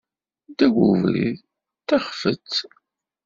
Ddaw ubrid, d taxfet.